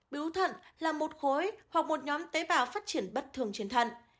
biếu thận là một khối hoặc một nhóm tế bào phát triển bất thường trên thận